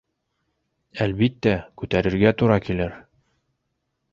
— Әлбиттә, күтәрергә тура килер.